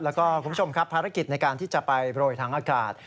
แล้วก็คุณผู้ชมครับภารกิจในการที่จะไปโรยถังอากาศ